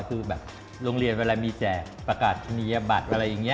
คือแบบโรงเรียนเวลามีแจกประกาศนียบัตรอะไรอย่างนี้